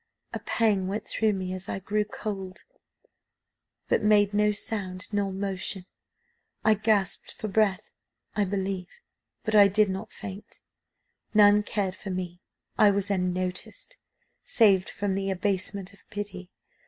A pang went through me; I grew cold, but made no sound nor motion; I gasped for breath, I believe, but I did not faint. None cared for me; I was unnoticed saved from the abasement of pity.